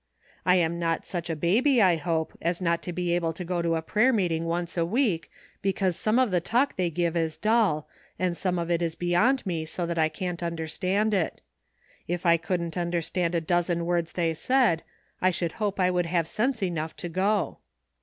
I am not such a baby, I hope, as not to be able to go to a prayer meeting once a week because some of the talk they give is dull, and some of it is beyond me so I can't understand it. If I couldn't under stand a dozen words they said, I should hope I would have sense enough to go."